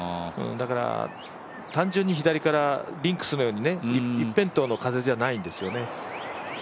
だから、単純に左からリンクスのように一辺倒の風じゃないんですよね。